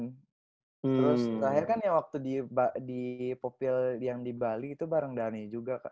terus akhirnya kan waktu di popil yang di bali itu bareng dhani juga kak